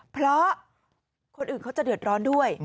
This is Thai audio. เพราะคนอื่นเขาจะเดือดร้อนด้วย